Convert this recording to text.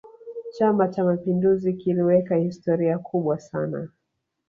chama cha mapinduzi kiliweka historia kubwa sana